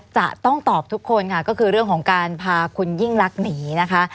จะต้องตอบทุกคนค่ะก็คือเรื่องของการพาคุณยิ่งลักษณ์หนีนะคะ